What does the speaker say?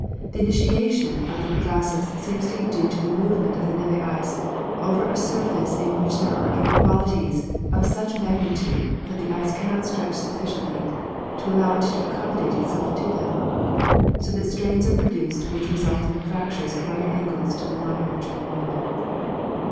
The initiation of the cre vasses seems to be due to the movement of the n6ve ice over a surface in which there are inequalities of such magnitude that the ice cannot stretch sufficiently to allow it to accommodate itself to them, so that strains are produced which result in frac tures at right angles to the line of general movement.